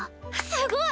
すごい！